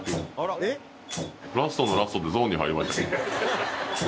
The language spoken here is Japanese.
ラストのラストでゾーンに入りましたね。